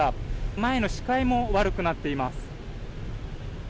前の視界も悪くなっています。